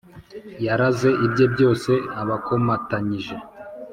Yaraze ibye byose abakomatanyije